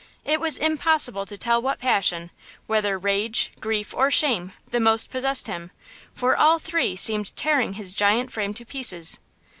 It was impossible to tell what passion–whether rage, grief or shame–the most possessed him, for all three seemed tearing his giant frame to pieces.